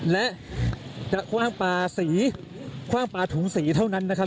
และจะคว่างปลาสีคว่างปลาถุงสีเท่านั้นนะครับ